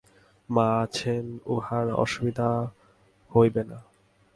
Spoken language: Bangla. মা আছেন, উঁহার অসুবিধা হইবে না।